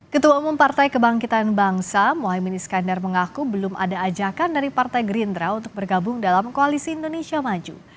ketua umum partai kebangkitan bangsa mohaimin iskandar mengaku belum ada ajakan dari partai gerindra untuk bergabung dalam koalisi indonesia maju